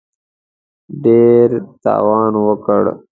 ډېر تاوان وکړ.